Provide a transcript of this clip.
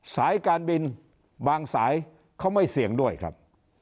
สายการบินบางสายเขาไม่เสี่ยงด้วยครับ